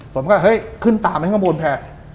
ผมก็ขึ้นตามให้ข้างบนแพทย์